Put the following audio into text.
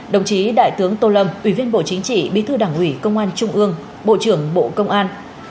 đồng chí đại tướng tô lâm ủy viên bộ chính trị bí thư đảng ủy công an trung ương bộ trưởng bộ công an